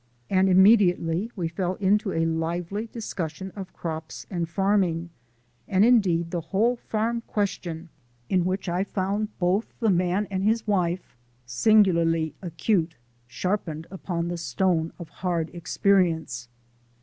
And immediately we fell into a lively discussion of crops and farming, and indeed the whole farm question, in which I found both the man and his wife singularly acute sharpened upon the stone of hard experience.